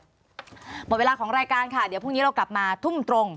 หมดเวลาของรายการค่ะเดี๋ยวพรุ่งนี้เรากลับมาทุ่มตรง